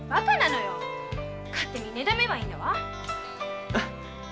勝手にねためばいいんだわ。